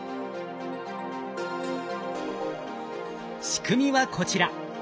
仕組みはこちら。